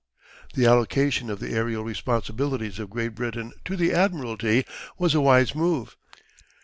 The allocation of the aerial responsibilities of Great Britain to the Admiralty was a wise move.